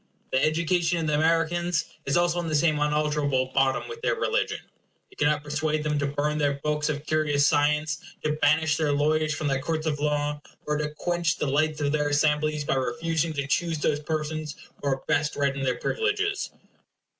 The education of the Americans is also on the same unalterable bottom with their religion. You cannot persuade them to burn their books of curious science; to banish their lawyers from their courts of laws; or to quench the lights of their assemblies by refusing to choose those persons who are best read in their privileges.